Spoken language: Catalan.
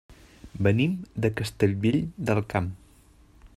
Venim de Castellvell del Camp.